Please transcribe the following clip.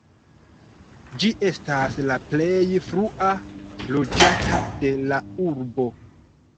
Ĝi estas la plej frua loĝata de la urbo.